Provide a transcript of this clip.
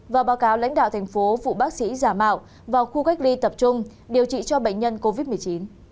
và báo cáo lãnh đạo thành phố phụ bác sĩ giả mạo vào khu cách ly tập trung điều trị cho bệnh nhân covid một mươi chín